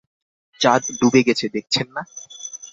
চাঁদ ডুবে গেছে দেখছেন না?